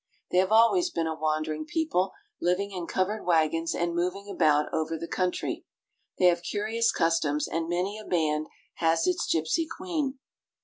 They have always been a wandering people, living in covered wagons and moving about over the country. They have curious customs and many a band has its gypsy queen.